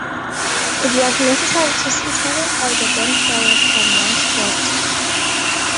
It was necessary to see seven of the bonfires from one spot.